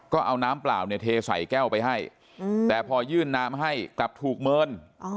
ก็เอาน้ำเปล่าเนี่ยเทใส่แก้วไปให้แต่พอยื่นน้ำให้กลับถูกเมิน